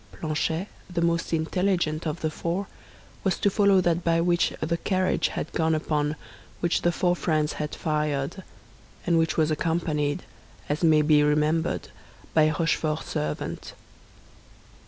Planchet, the most intelligent of the four, was to follow that by which the carriage had gone upon which the four friends had fired, and which was accompanied, as may be remembered, by Rochefort's servant.